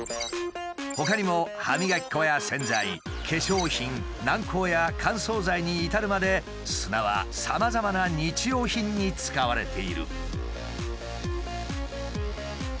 ほかにも歯磨き粉や洗剤化粧品軟こうや乾燥剤に至るまで砂はさまざまな日用品に使われている。